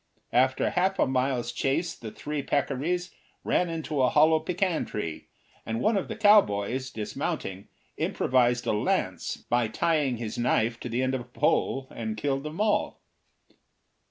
After half a mile's chase the three peccaries ran into a hollow pecan tree, and one of the cowboys, dismounting, improvised a lance by tying his knife to the end of a pole, and killed them all.